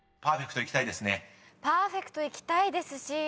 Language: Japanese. ［パーフェクトいきたいですね］